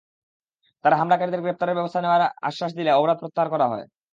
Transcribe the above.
তাঁরা হামলাকারীদের গ্রেপ্তারের ব্যবস্থা নেওয়ার আশ্বাস দিলে অবরোধ প্রত্যাহার করা হয়।